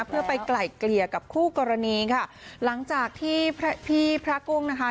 เพื่อไปไกล่เกลี่ยกับคู่กรณีค่ะหลังจากที่พี่พระกุ้งนะคะ